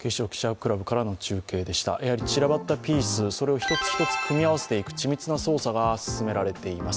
やはり散らばったピースを一つ一つ組み合わせていく緻密な捜査が進められています。